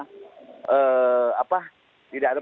apa tidak ada perbedaan ya